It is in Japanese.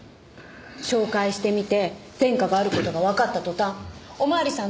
照会してみて前科がある事がわかった途端お巡りさん